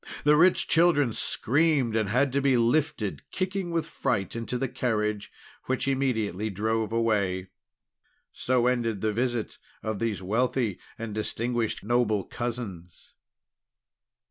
The rich children screamed, and had to be lifted, kicking with fright, into the carriage, which immediately drove away. So ended the visit of these wealthy, distinguished, and noble cousins.